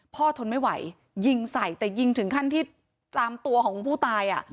ทนไม่ไหวยิงใส่แต่ยิงถึงขั้นที่ตามตัวของผู้ตาย